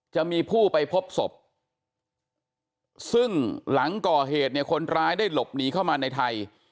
จะมีผู้ไปพบศพซึ่งหลังก่อเหตุเนี่ยคนร้ายได้หลบหนีเข้ามาในไทย